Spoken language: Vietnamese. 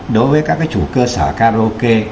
đối với các cái chủ cơ sở karaoke